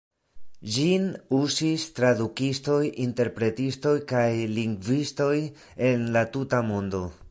Ĝin uzis tradukistoj, interpretistoj kaj lingvistoj en la tuta mondo.